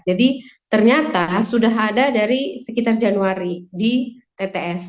jadi ternyata sudah ada dari sekitar januari di tts